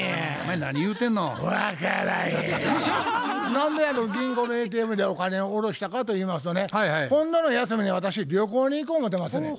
何で銀行のＡＴＭでお金を下ろしたかといいますとね今度の休みに私旅行に行こ思てますねん。